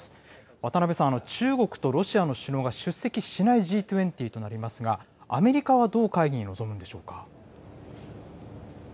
渡辺さん、中国とロシアの首脳が出席しないＧ２０となりますが、アメリカはどう会議に臨むんでしょうか。